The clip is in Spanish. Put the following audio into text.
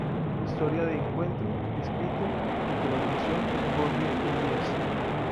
Historia de un encuentro", escrito en colaboración con Jorge Íñiguez.